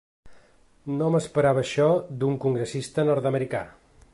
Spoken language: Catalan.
No m’esperava això d’un congressista nord-americà!